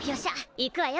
いくわよ